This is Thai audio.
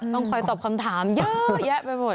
ต้องคอยตอบคำถามเยอะแยะไปหมด